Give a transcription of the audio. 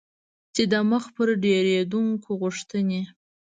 چې د مخ په ډیریدونکي غوښتنې